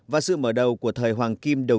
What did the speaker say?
và sự mở đầu của thời hoàng kim đầu